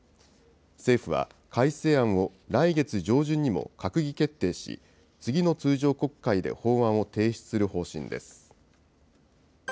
政府は改正案を来月上旬にも閣議決定し、次の通常国会で法案を提出する方針です。